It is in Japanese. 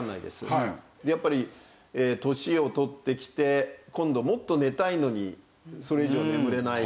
やっぱり年を取ってきて今度もっと寝たいのにそれ以上眠れない。